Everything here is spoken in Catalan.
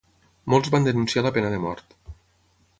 Molts van denunciar la pena de mort.